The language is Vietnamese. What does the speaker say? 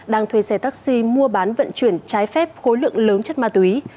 đang thuê xe taxi mua bán vận chuyển trái phép khối lượng lớn chất ma túy